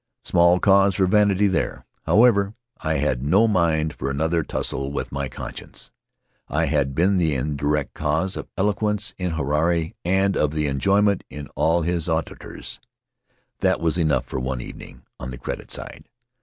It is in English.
Small cause for vanity there. However, I had no mind for another tussle with my conscience. I had been the indirect cause of eloquence in Huirai and of enjoyment in his auditors. That was enough for one evening on the credit side.